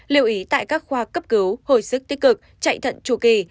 liệu ý tại các khoa cấp cứu hồi sức tích cực chạy thận chủ kỳ